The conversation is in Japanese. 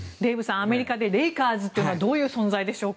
アメリカでレイカーズというのはどういう存在でしょうか。